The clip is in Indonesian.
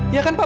ya kan pak